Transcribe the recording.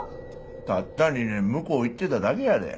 たった２年向こう行ってただけやで。